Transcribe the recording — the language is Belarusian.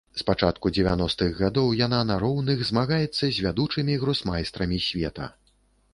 З пачатку дзевяностых гадоў яна на роўных змагаецца з вядучымі гросмайстрамі света.